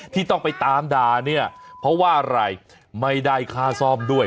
ที่ต้องไปตามด่าเนี่ยเพราะว่าอะไรไม่ได้ค่าซ่อมด้วย